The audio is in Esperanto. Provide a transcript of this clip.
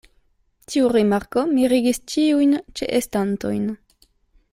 Tiu rimarko mirigis ĉiujn ĉeestantojn.